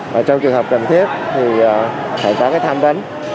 và trong trường học cần thiết thì phải có tham vấn